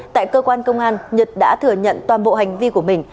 tại cơ quan công an nhật đã thừa nhận toàn bộ hành vi của mình